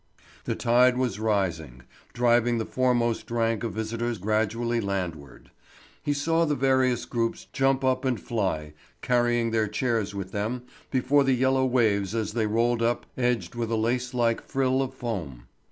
The tide was rising, driving the foremost rank of visitors gradually landward. He saw the various groups jump up and fly, carrying their chairs with them, before the yellow waves as they rolled up edged with a lace like frill of foam.